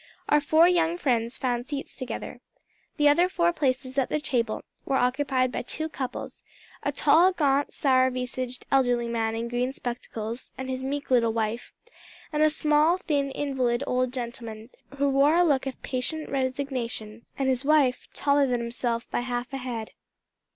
Our four young friends found seats together. The other four places at their table were occupied by two couples a tall, gaunt, sour visaged elderly man in green spectacles, and his meek little wife, and a small, thin, invalid old gentleman, who wore a look of patient resignation, and his wife, taller than himself by half a head.